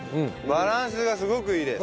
バランスがすごくいいです。